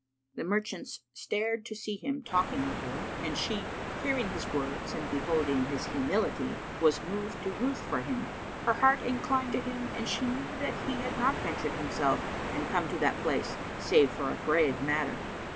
The merchants stared to see him talking with her; and she, hearing his words and beholding his humility, was moved to ruth for him; her heart inclined to him and she knew that he had not ventured himself and come to that place, save for a grave matter.